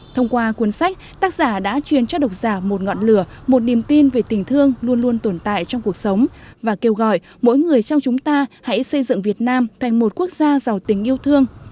thông qua cuốn sách tác giả đã truyền cho độc giả một ngọn lửa một niềm tin về tình thương luôn luôn tồn tại trong cuộc sống và kêu gọi mỗi người trong chúng ta hãy xây dựng việt nam thành một quốc gia giàu tình yêu thương